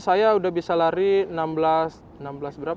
tidak lama kemudian rio menemukan seorang pemain yang berpengaruh